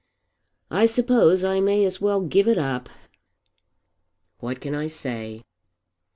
"I suppose I may as well give it up." "What can I say?"